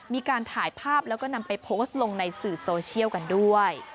มีการถ่ายภาพแล้วก็นำไปโพสต์ลงในสื่อโซเชียลกันด้วย